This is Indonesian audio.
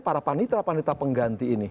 para panitera panitera pengganti ini